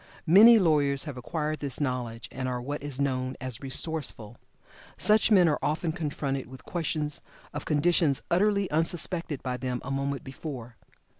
Many lawyers have acquired this knowledge, and are what is known as "resourceful." Such men are often confronted with questions of conditions utterly unsuspected by them a moment before.